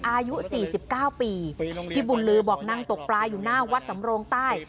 อายุ๔๙ปีพี่บุญลือบอกนั่งตกปลาอยู่หน้าวัดสำโรงใต้